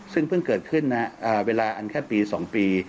ซึ่งเพิ่งเกิดขึ้นเวลาอันแค่ปี๒ปี